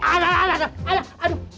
aduh aduh aduh aduh